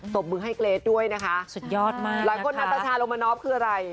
สบบึกให้เกรซด้วยนะคะสุดยอดมากหลายคนนัทรัชาโรมนอฟคืออะไร